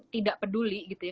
tidak peduli gitu ya